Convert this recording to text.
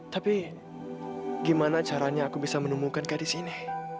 tapi gimana caranya aku bisa menemukan gadis ini